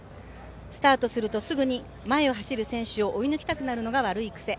スタートするとすぐに前を走る選手を追い抜きたくなるのが癖。